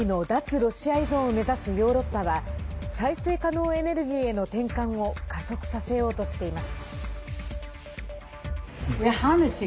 ロシア依存を目指すヨーロッパは再生可能エネルギーへの転換を加速させようとしています。